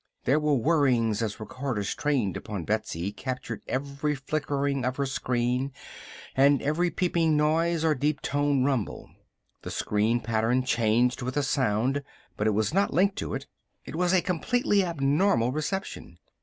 There were whirrings as recorders trained upon Betsy captured every flickering of her screen and every peeping noise or deep toned rumble. The screen pattern changed with the sound, but it was not linked to it. It was a completely abnormal reception.